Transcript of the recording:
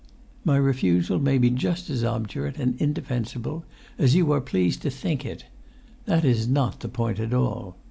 My refusal may be just as obdurate and indefensible as you are pleased to think it; that is not the point at all.